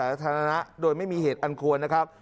ในเมืองบุบันหรือทางสาธารณะโดยไม่มีเหตุอันควรนะครับ